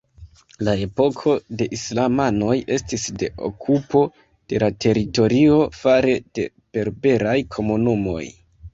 La epoko de islamanoj estis de okupo de la teritorio fare de berberaj komunumoj.